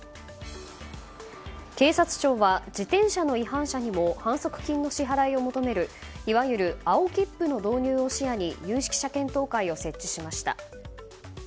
警察庁は自転車の違反者にも反則金の支払いを求めるいわゆる青切符の導入を視野に有識者検討会を設置しました。